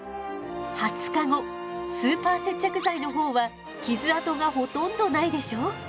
２０日後スーパー接着剤のほうは傷痕がほとんどないでしょう？